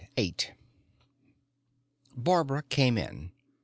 VIII Barbara came in.